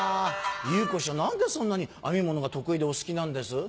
「祐子師匠何でそんなに編み物が得意でお好きなんです？」。